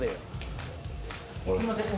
・すいません。